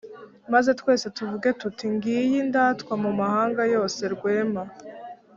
maze twese tuvuge tuti:« ngiyi indatwa mu mahanga yose, rwema».